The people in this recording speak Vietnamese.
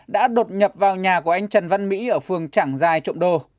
đã đột nhập vào nhà của anh trần văn mỹ ở phường trảng giai trộm đô